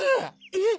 えっ？